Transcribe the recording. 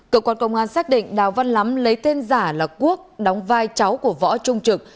cơ quan công an xác định đào văn lắm lấy tên giả là quốc đóng vai cháu của võ trung trực